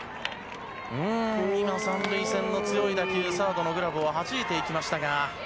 今、３塁線への強い打球がサードのグラブをはじいていきましたが。